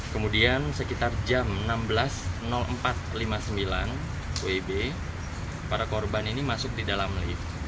kemudian sekitar jam enam belas empat ratus lima puluh sembilan wb para korban ini masuk di dalam lift